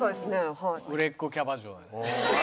売れっ子キャバ嬢だね。